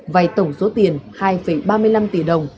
vay tổng số tiền hai ba mươi năm tỷ đồng